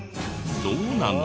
どうなの？